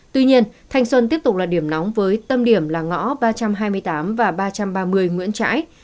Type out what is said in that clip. tuy nhiên thanh xuân tiếp tục là điểm nóng với tâm điểm là ngõ ba trăm hai mươi tám và ba trăm ba mươi nguyễn trãi